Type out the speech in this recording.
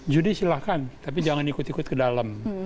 judi silahkan tapi jangan ikut ikut ke dalam